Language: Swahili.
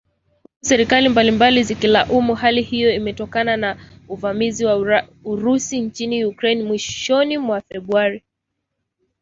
Huku serikali mbalimbali zikilaumu hali hiyo imetokana na uvamizi wa Urusi nchini Ukraine mwishoni mwa Februari.